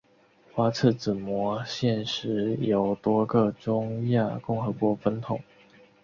花剌子模现时由多个中亚共和国分统。